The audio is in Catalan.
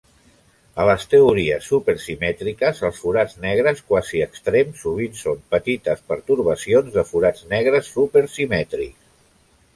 A les teories super-simètriques, els forats negres quasi extrems sovint són petites pertorbacions de forats negres super-simètrics.